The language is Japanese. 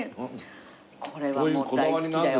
これはもう大好きだよ